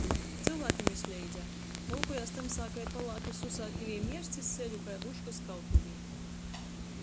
Cylvākim vysleidza - volkojās tymsā kai palāki susātivi i mierst iz ceļu kai vuškys kautuvē.